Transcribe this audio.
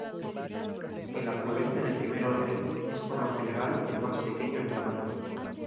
El afluente de primer orden es por lo general el más pequeño en tamaño.